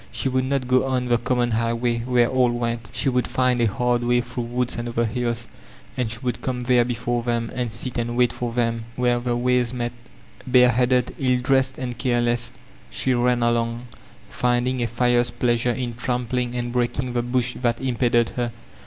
She would not go on tiie oom* mon highway where all went, she would find a hard way through woods and over hills, and she would come there before them and sit and wait for them where the ways Th£ Tuuif ph of Youth 463 met Bareheaded, ill dressed and careless she ran along, findmg a fierce pleasure in tranq>ling and breaking the brush that impeded her.